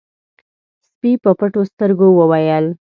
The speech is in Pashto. سپي په پټو سترګو وويل: